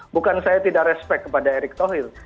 bukan saya tidak respect kepada erick thohir